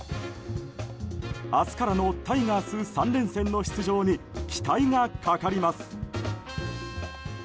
明日からのタイガース３連戦の出場に期待がかかります。